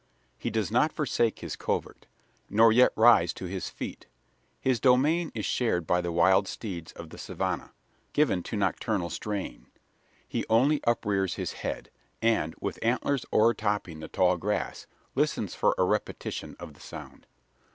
He does not forsake his covert, nor yet rise to his feet. His domain is shared by the wild steeds of the savannah, given to nocturnal straying. He only uprears his head; and, with antlers o'ertopping the tall grass, listens for a repetition of the sound.